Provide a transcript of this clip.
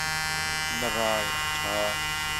Na ral a ṭha.